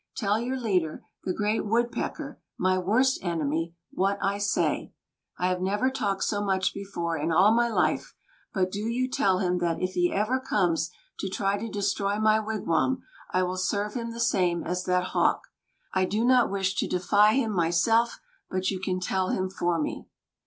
Tell your leader, the great Woodpecker, my worst enemy, what I say. I have never talked so much before in all my life; but do you tell him that if he ever comes to try to destroy my wigwam, I will serve him the same as that Hawk. I do not wish to defy him myself, but you can tell him for me."